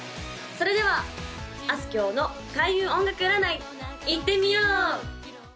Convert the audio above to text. それではあすきょうの開運音楽占いいってみよう！